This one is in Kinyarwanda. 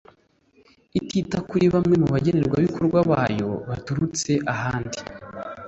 itita kuri bamwe mu bagenerwa bikorwa bayo baturutse ahandi